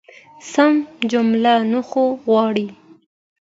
سمه جمله نحوه غواړي.